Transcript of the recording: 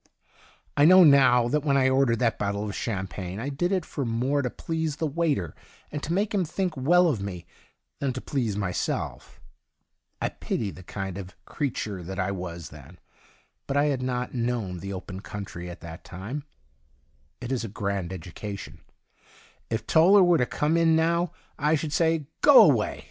I know 16 THE DIARY OF A GOD now that when I ordered that bottle of champagne I did it far more to please the waiter and to make him think well of me than to please myself. I pity the kind of creature that I was then, but I had not known the open country at that time. It is a grand education. If Toller were to come in now I should say, ' Go away.